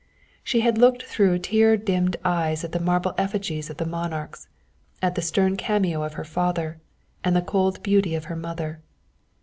She had looked through tear dimmed eyes at the marble effigies of the monarchs, at the stern cameo of her father, and the cold beauty of her mother.